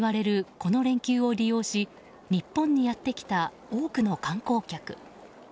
この連休を利用し日本にやってきた多くの観光客。